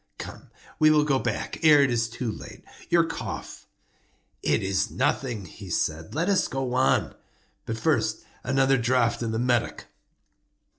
Come, we will go back ere it is too late. Your cough—" "It is nothing," he said; "let us go on. But first, another draught of the Medoc."